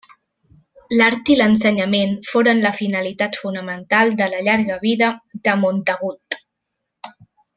L'art i l'ensenyament foren la finalitat fonamental de la llarga vida de Montagut.